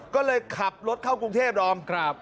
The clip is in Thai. ก็เลยขับรถเข้ากรุงเทพดอม